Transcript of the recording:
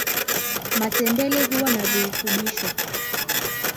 matembele huwa na virutub vingiisho